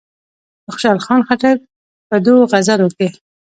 د خوشحال خان خټک په دوو غزلونو کې.